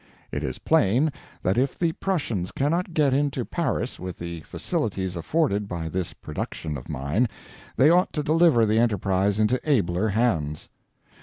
It is plain that if the Prussians cannot get into Paris with the facilities afforded by this production of mine they ought to deliver the enterprise into abler hands.